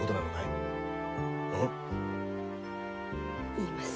言います。